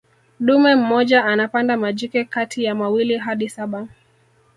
dume mmoja anapanda majike kati ya mawili hadi saba